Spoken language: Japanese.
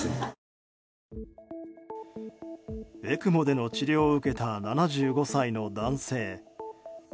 ＥＣＭＯでの治療を受けた７５歳の男性。